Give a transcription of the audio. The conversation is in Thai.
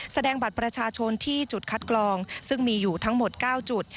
แสดงบัตรประชาชนที่จุดคัดกรองซึ่งมีอยู่ทั้งหมด๙จุด